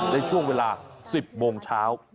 ในช่วงเวลา๑๐โมงเช้า